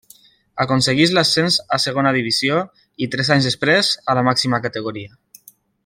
Aconsegueix l'ascens a Segona Divisió, i tres anys després, a la màxima categoria.